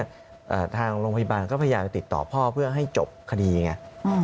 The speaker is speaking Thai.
ทางโรงพยาบาลก็พยายามจะติดต่อพ่อเพื่อให้จบคดีไงอืม